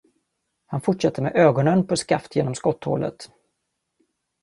Han fortsatte med ögonen på skaft genom skotthålet.